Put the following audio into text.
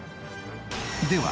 では